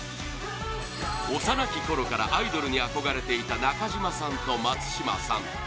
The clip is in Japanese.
幼き頃からアイドルに憧れていた中島さんと松島さん